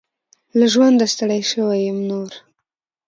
له ژونده ستړي شوي يم نور .